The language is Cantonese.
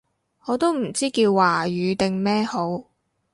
我都唔知叫華語定咩好